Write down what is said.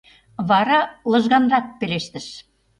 Вара лыжганрак пелештыш: